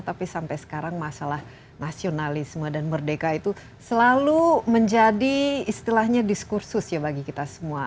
tapi sampai sekarang masalah nasionalisme dan merdeka itu selalu menjadi istilahnya diskursus ya bagi kita semua